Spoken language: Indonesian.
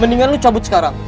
mendingan lo cabut sekarang